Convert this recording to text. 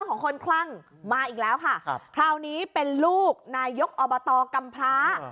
ของคนคลั่งมาอีกแล้วค่ะครับคราวนี้เป็นลูกนายกอบตกำพร้า